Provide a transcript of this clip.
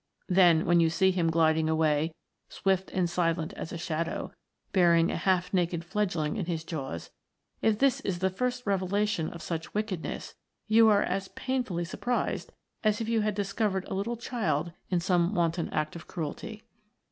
Then when you see him gliding away, swift and silent as a shadow, bearing a half naked fledgeling in his jaws, if this is the first revelation of such wickedness, you are as painfully surprised as if you had discovered a little child in some wanton act of cruelty.